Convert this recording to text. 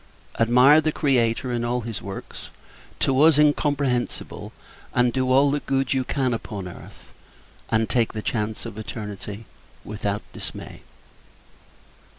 Admire the Creator, and all his works, to us incomprehensible: and do all the good you can upon earth; and take the chance of eternity, without dismay.